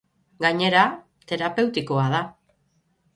Gainera, terapeutikoa da.